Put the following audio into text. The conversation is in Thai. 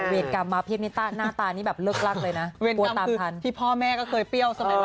เวรกรรมมาแน่